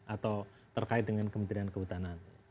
atau terkait dengan kementerian kehutanan